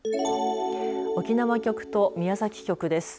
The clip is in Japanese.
沖縄局と宮崎局です。